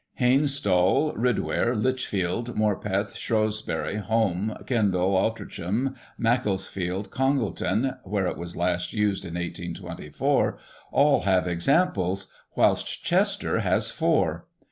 Hainstall, Rid ware, Lichfield, Morpeth, Shrewsbury, Holme, Kendal, Al trincham, Macclesfield, Congleton (where it was last used in 1824), all have examples, whilst Chester has four!